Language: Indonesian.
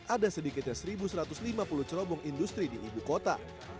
ada sedikitnya satu satu ratus lima puluh cerobong industri di ibu kota